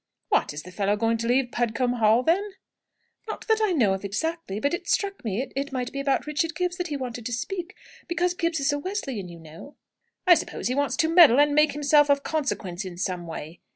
"What, is the fellow going to leave Pudcombe Hall, then?" "Not that I know of exactly. But it struck me it might be about Richard Gibbs that he wanted to speak, because Gibbs is a Wesleyan, you know." "I suppose he wants to meddle and make himself of consequence in some way.